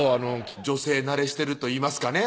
女性慣れしてるといいますかね